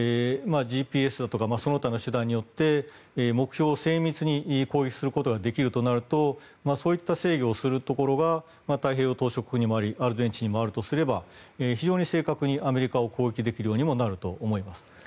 ＧＰＳだとかその他の手段によって目標を精密に攻撃することができるとなるとそういった制御をするところが太平洋島しょ国にもありアルゼンチンにもあるとすれば非常に正確にアメリカを攻撃できるようにもなると思います。